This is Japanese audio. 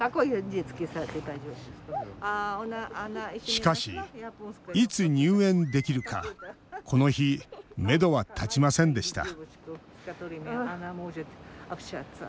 しかし、いつ入園できるかこの日めどは立ちませんでした